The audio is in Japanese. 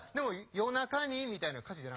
「夜中に」みたいな。